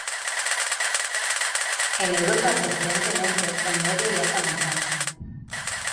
En Europa, preferentemente en media y alta montaña.